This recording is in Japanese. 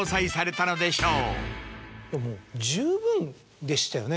もう十分でしたよね